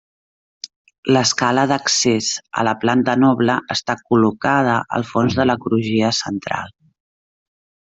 L'escala d'accés a la planta noble està col·locada al fons de la crugia central.